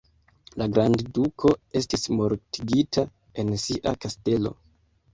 La grandduko estis mortigita en sia kastelo.